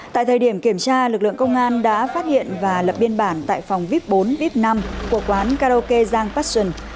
tại thời điểm kiểm tra lực lượng công an đã phát hiện và lập biên bản tại phòng vip bốn vip năm của quán karaoke giang passion